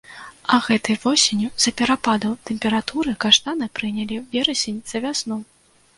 А гэтай восенню, з-за перападаў тэмпературы, каштаны прынялі верасень за вясну.